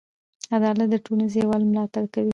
عدالت د ټولنیز یووالي ملاتړ کوي.